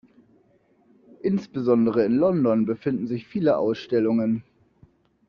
Insbesondere in London befinden sich viele Ausstellungen.